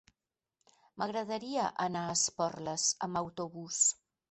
M'agradaria anar a Esporles amb autobús.